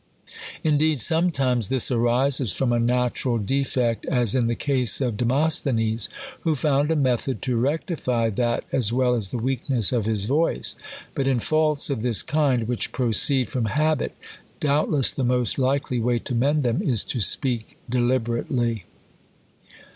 Indeed, sometimes this arises from a natural defect, as in the case of De mosthenes ; who found a method to rectify that, as well as the weakness of his voice. But in faults of this kind, which proceed from habit, doubtless the mo3t likely way to mead them is tj speak deliberately.